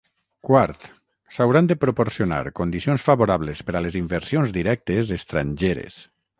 Quart, s'hauran de proporcionar condicions favorables per a les inversions directes estrangeres.